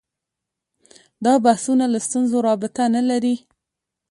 دا بحثونه له ستونزو رابطه نه لري